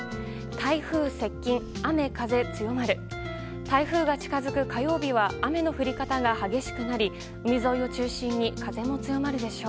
台風が近づく火曜日は雨の降り方が激しくなり海沿いを中心に風も強まるでしょう。